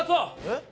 えっ？